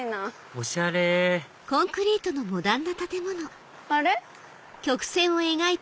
おしゃれあれ？